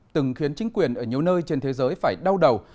từng khiến chính quyền ở nhiều nơi trên thế giới phải đau đầu